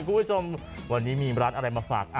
คุณผู้ชมวันนี้มีร้านอะไรมาฝาก